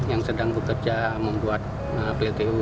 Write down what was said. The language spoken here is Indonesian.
yang sedang bekerja membuat pltu